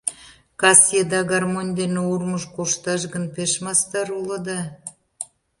Кас еда гармонь дене урмыж кошташ гын, пеш мастар улыда...